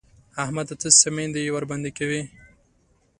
احمده! ته څه مينده يي ورباندې کوې؟!